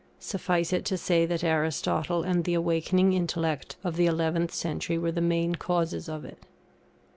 Suffice it to say that Aristotle and the awakening intellect of the 11th century were the main causes of it.